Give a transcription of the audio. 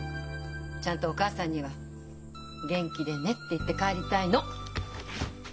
ちゃんとお母さんには「元気でね」って言って帰りたいの。